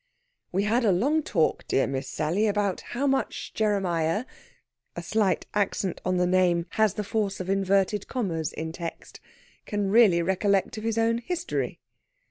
"We had a long talk, dear Miss Sally, about how much Jeremiah" a slight accent on the name has the force of inverted commas in text "can really recollect of his own history."